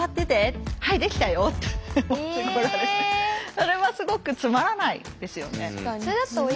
それはすごくつまらないですよね。